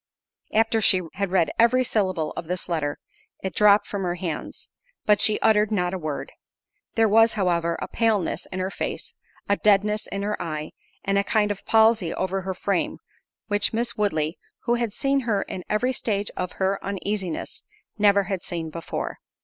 After she had read every syllable of this letter, it dropped from her hands; but she uttered not a word. There was, however, a paleness in her face, a deadness in her eye, and a kind of palsy over her frame, which Miss Woodley, who had seen her in every stage of her uneasiness, never had seen before.